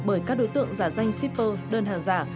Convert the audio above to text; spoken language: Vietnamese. bởi các đối tượng giả danh shipper đơn hàng giả